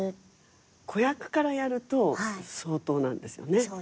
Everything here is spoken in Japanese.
子役からやると相当なんですよね。